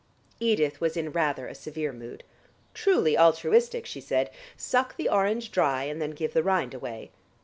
Edith was in rather a severe mood. "Truly altruistic," she said. "Suck the orange dry, and then give the rind away."